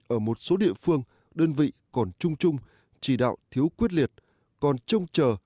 ở một số địa phương đơn vị còn trung trung chỉ đạo thiếu quyết liệt còn trông chờ